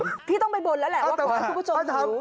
พี่ต้องไปบ่นแล้วแหละว่าขอให้คุณผู้ชมทำ